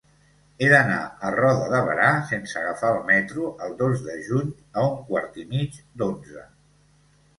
He d'anar a Roda de Berà sense agafar el metro el dos de juny a un quart i mig d'onze.